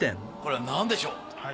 これは何でしょう？